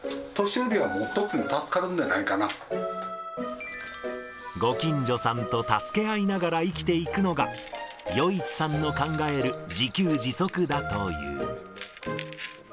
年寄りは特に助かるんご近所さんと助け合いながら生きていくのが、余一さんの考える自給自足だという。